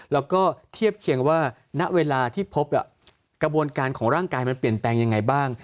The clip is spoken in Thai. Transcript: แล้วก็เทียบเคียงว่าณเวลาที่พบกระบวนการของร่างกายมันเปลี่ยนแปลงยังไงบ้าง